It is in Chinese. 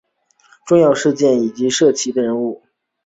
重要事件及趋势重要人物